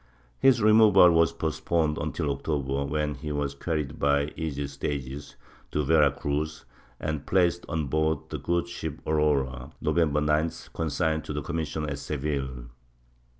His removal was postponed mitil October, when he was carried by easy stages to Vera Cruz and placed on board the good ship Aurora, November 9th, consigned to the commissioner at Seville.